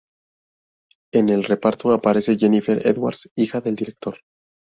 En el reparto aparece Jennifer Edwards, hija del director:.